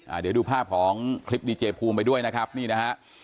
เดี๋ยวดูภาพของคลิปดีเจภูมิไปด้วยนะครับนี่นะฮะ